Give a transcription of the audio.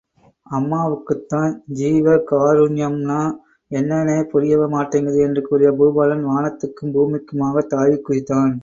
அம்மாவுக்குத்தான் ஜீவகாருண்யம்னா என்னான்னு புரியவே மாட்டங்குது..! என்று கூறிய பூபாலன் வானத்துக்கும் பூமிக்குமாகத் தாவிக் குதித்தான்.